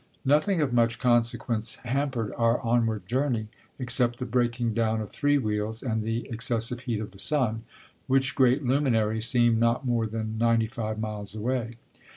Nothing of much consequence hampered our onward journey except the breaking down of three wheels and the excessive heat of the sun, which great luminary seemed not more than ninety five miles away.